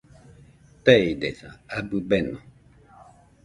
Teidesa, abɨ beno